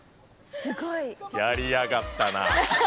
すごい。やりやがったな。